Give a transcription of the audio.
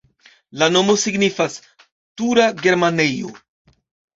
La nomo signifas: tura-germanejo.